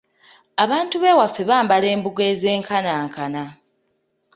Abantu b’ewaffe bambala embugo ezenkanankana.